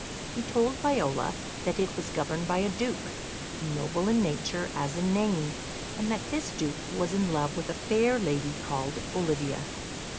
He told Viola that it was governed by a Duke, noble in nature as in name, and that this Duke was in love with a fair lady called Olivia.